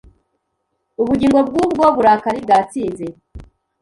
Ubugingo bwubwo burakari bwatsinze